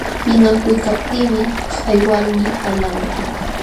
Pinqakuykaptiimi hay walmi palaqman.